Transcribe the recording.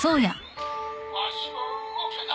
わしは動けない。